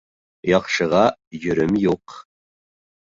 Яҡшыға йөрөм юҡ.